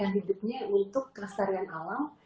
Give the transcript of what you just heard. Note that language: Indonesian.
hidupnya untuk kelestarian alam